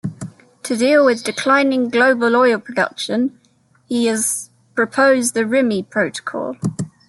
To deal with declining global oil production, he has proposed the Rimini protocol.